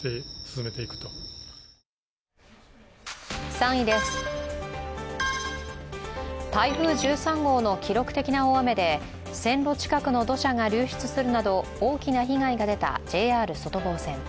３位です、台風１３号の記録的な大雨で線路近くの土砂が流出するなど大きな被害が出たＪＲ外房線。